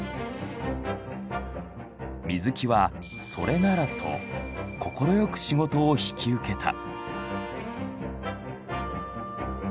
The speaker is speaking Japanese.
水木は「それなら」と快く仕事を引き受けた。